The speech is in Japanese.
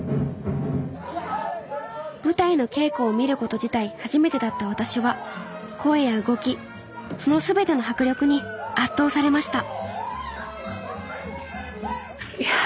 舞台の稽古を見ること自体初めてだった私は声や動きその全ての迫力に圧倒されました